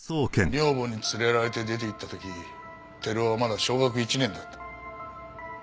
女房に連れられて出て行った時照夫はまだ小学１年だった。